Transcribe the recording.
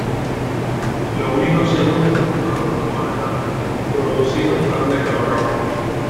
Lo único seguro es que todos los modelos producidos fueron de color rojo.